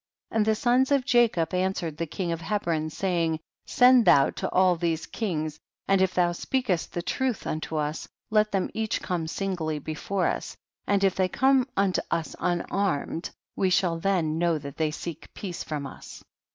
43. And the sons of Jacob answer ed the king of Hebron, saying, send thou to all these kings, and if thou speakest truth unto us, let them each come singly before us, and if they come unto us unarmed, we shall then know that they seek peace from us.